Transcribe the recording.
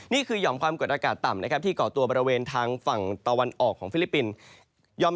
นี่คือหย่อมความเกิดอากาศต่ำที่เกาะตัวบริเวณทางฝั่งตะวันออกของฟิลิปปินส์